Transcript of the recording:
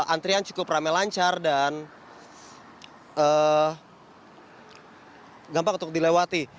antrian cukup ramai lancar dan gampang untuk dilewati